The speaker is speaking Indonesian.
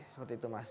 seperti itu mas